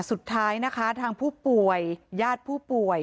สุดท้ายนะคะทางผู้ป่วยญาติผู้ป่วย